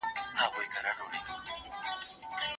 هغه وايي يو درد مي د وزير پر مخ ګنډلی